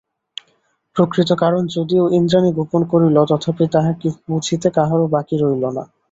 প্রকৃত কারণ যদিও ইন্দ্রাণী গোপন করিল তথাপি তাহা বুঝিতে কাহারো বাকি রহিল না।